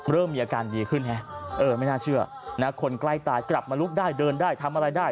เริ่มมีอาการดีขึ้นฮะเออไม่น่าเชื่อนะคนใกล้ตายกลับมาลุกได้เดินได้ทำอะไรได้